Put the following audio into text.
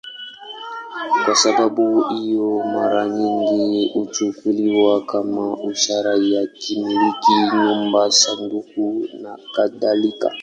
Kwa sababu hiyo, mara nyingi huchukuliwa kama ishara ya kumiliki nyumba, sanduku nakadhalika.